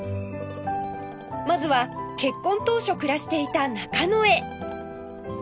まずは結婚当初暮らしていた中野へ